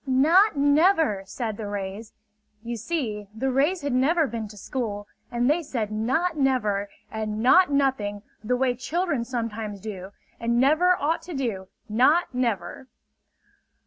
"Not never!" said the rays. You see, the rays had never been to school; and they said "not never" and "not nothing" the way children sometimes do and never ought to do, not never!